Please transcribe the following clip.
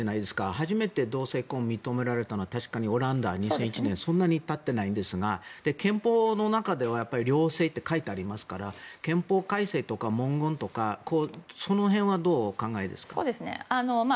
初めて同性婚を認められたのは確かにオランダ、２００１年でそんなに経ってないんですが憲法の中では両性って書いてありますから憲法改正とか、文言とかその辺はどうお考えですか。